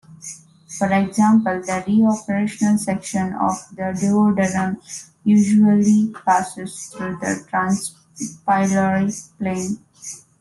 For example, the retroperitoneal section of the duodenum usually passes through the transpyloric plane.